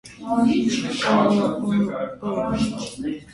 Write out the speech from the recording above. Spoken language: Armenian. Կանացի սերն ազդում է շրջապատի տղամարդկանց վարքի վրա։